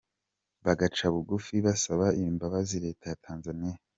bagaca bugufi basaba imbabazi Leta ya Tanzania.